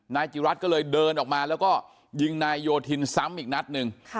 นายจิรัตน์ก็เลยเดินออกมาแล้วก็ยิงนายโยธินซ้ำอีกนัดหนึ่ง